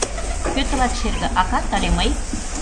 Кӧ тылат шерге: акат але мый?